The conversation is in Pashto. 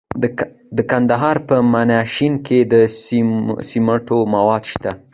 د کندهار په میانشین کې د سمنټو مواد شته.